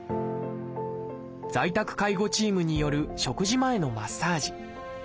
在宅介護チームによる食事前のマッサージ。